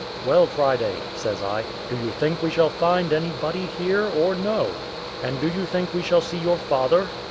"Well, Friday," says I, "do you think we shall find anybody here or no? and do you think we shall see your father?"